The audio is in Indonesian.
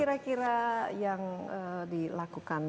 kira kira yang dilakukan